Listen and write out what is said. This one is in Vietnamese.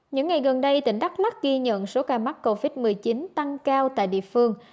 những ngày gần đây tỉnh đắk lắc ghi nhận số ca mắc covid một mươi chín tăng cao tại địa phương